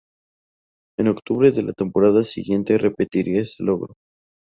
En octubre de la temporada siguiente repetiría ese logro.